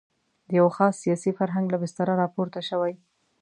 د یوه خاص سیاسي فرهنګ له بستره راپورته شوې.